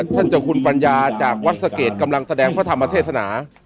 เจ้าคุณปัญญาจากวัดสะเกดกำลังแสดงพระธรรมเทศนา